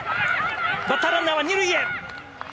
バッターランナーは２塁へ。